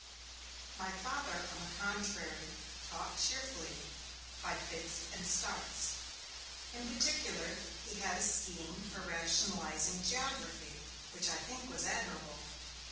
My Father, on the contrary, taught cheerfully, by fits and starts. In particular, he had a scheme for rationalizing geography, which I think was admirable.